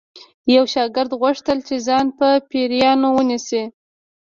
یو شاګرد غوښتل چې ځان په پیریانو ونیسي